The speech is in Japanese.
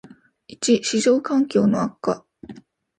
① 市場環境の悪化